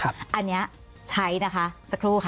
อันนี้ใช้นะคะสักครู่ค่ะ